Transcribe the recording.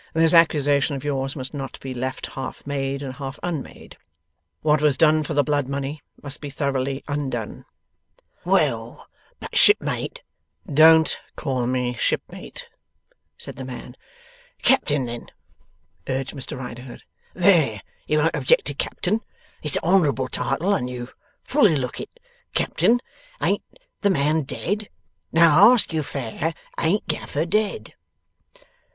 'This accusation of yours must not be left half made and half unmade. What was done for the blood money must be thoroughly undone.' 'Well; but Shipmate ' 'Don't call me Shipmate,' said the man. 'Captain, then,' urged Mr Riderhood; 'there! You won't object to Captain. It's a honourable title, and you fully look it. Captain! Ain't the man dead? Now I ask you fair. Ain't Gaffer dead?